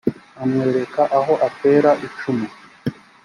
amwereka aho atera icumu